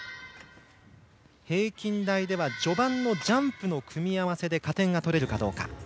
平均台では序盤のジャンプの組み合わせで加点が取れるかどうか。